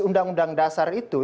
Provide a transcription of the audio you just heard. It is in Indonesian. undang undang dasar itu